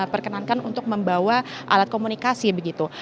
perkenankan untuk membawa alat komunikasi begitu